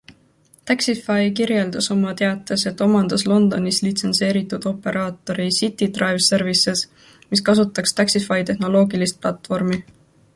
Taxify kirjeldas oma teates, et omandas Londonis litsenseeritud operaatori City Drive Services, mis kasutaks Taxify trehnoloogilist platvormi.